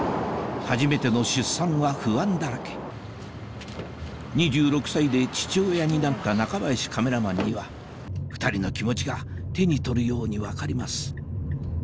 初めての出産は不安だらけ２６歳で父親になった中林カメラマンには２人の気持ちが手に取るように分かります